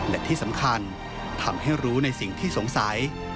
และที่สำคัญทำให้รู้ในสิ่งที่สงสัย